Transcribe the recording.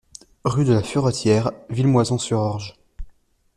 Rue de la Furetière, Villemoisson-sur-Orge